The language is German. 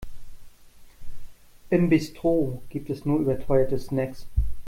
Im Bistro gibt es nur überteuerte Snacks.